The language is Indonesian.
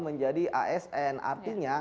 menjadi asn artinya